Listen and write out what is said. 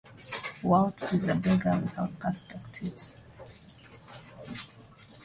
Walt is a beggar without perspectives.